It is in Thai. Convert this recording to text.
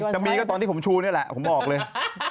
จะมีก็ตอนที่ผมชูนี่แหละผมบอกเลย